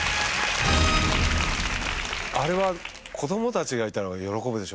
あれは子供たちがいたら喜ぶでしょうね。